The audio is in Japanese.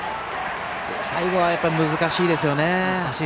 最後は難しいですよね。